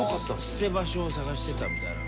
捨て場所を探してたみたいな。